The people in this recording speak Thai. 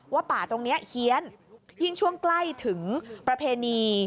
ว่าป่าตรงนี้เฮียนยิ่งช่วงใกล้ถึงประเพณี